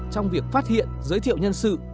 trong việc phát hiện giới thiệu nhân sự